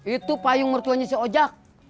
itu payung mertuanya si oja